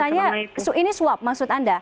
karena biasanya ini swab maksud anda